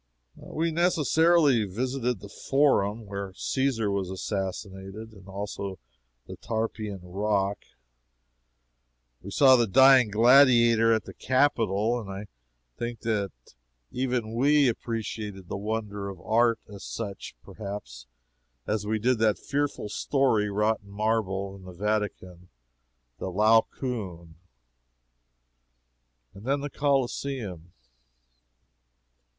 We necessarily visited the Forum, where Caesar was assassinated, and also the Tarpeian Rock. We saw the Dying Gladiator at the Capitol, and I think that even we appreciated that wonder of art; as much, perhaps, as we did that fearful story wrought in marble, in the Vatican the Laocoon. And then the Coliseum.